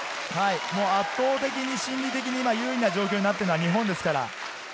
圧倒的に心理的に優位な状況に立っているのは今、日本です。